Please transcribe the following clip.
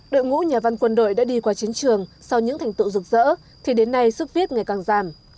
đội ngũ nhà văn quân đội đã đi qua chiến trường sau những thành tựu rực rỡ thì đến nay sức viết ngày càng giảm